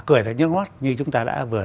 cười và nhớ ngót như chúng ta đã vừa